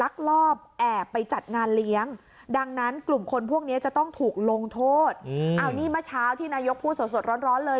ลอบแอบไปจัดงานเลี้ยงดังนั้นกลุ่มคนพวกนี้จะต้องถูกลงโทษเอานี่เมื่อเช้าที่นายกพูดสดร้อนเลย